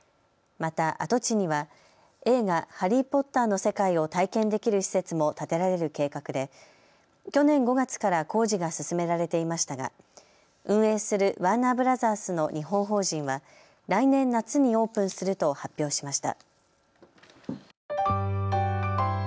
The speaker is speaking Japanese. また跡地には映画、ハリー・ポッターの世界を体験できる施設も建てられる計画で去年５月から工事が進められていましたが運営するワーナーブラザースの日本法人は来年夏にオープンすると発表しました。